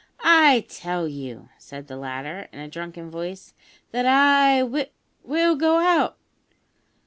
"I tell you," said the latter, in a drunken voice, "that I w will go out!"